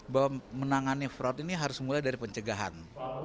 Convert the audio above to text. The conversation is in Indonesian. bahwa menangani fraud ini harus mulai dari pencegahan